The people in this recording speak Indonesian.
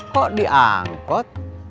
kok di angkot